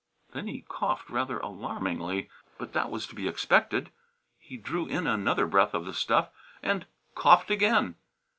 Then he coughed rather alarmingly. But that was to be expected. He drew in another breath of the stuff and coughed again.